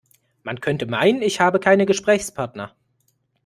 Man könnte meinen, ich habe keine Gesprächspartner.